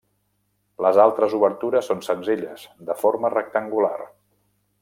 Les altres obertures són senzilles, de forma rectangular.